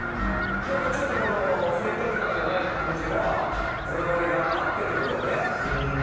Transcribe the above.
ちょっと生活感がない感じは、こだわりがあってってことだよね。